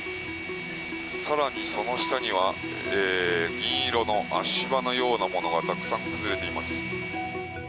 更にその下には銀色の足場のようなものがたくさん崩れています。